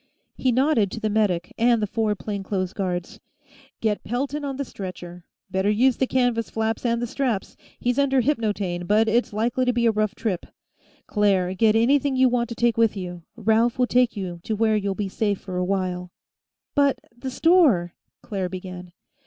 He nodded to the medic and the four plain clothes guards. "Get Pelton on the stretcher. Better use the canvas flaps and the straps. He's under hypnotaine, but it's likely to be a rough trip. Claire, get anything you want to take with you. Ralph will take you where you'll be safe for a while." "But the store " Claire began.